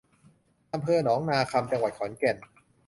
อำเภอหนองนาคำ จังหวัดขอนแก่น